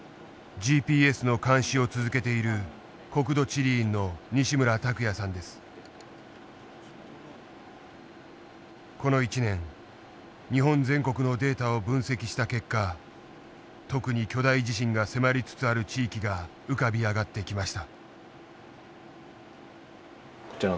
ＧＰＳの監視を続けているこの１年日本全国のデータを分析した結果特に巨大地震が迫りつつある地域が浮かび上がってきました。